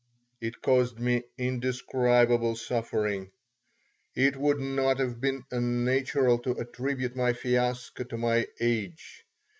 It caused me indescribable suffering. It would not have been unnatural to attribute my fiasco to my age.